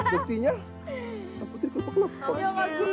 buktinya ampun tertopeng lepok